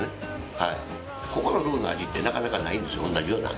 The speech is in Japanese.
はいここのルーの味ってなかなかないんですよ